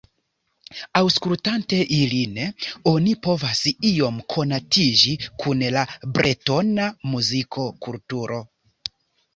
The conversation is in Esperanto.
Aŭskultante ilin oni povas iom konatiĝi kun la bretona muzika kulturo.